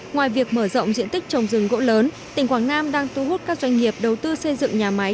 ngoài việc mở rộng diện tích trồng rừng gỗ lớn tỉnh quảng nam đang thu hút các doanh nghiệp đầu tư xây dựng nhà máy